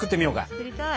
作りたい！